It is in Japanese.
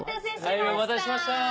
はいお待たせしました！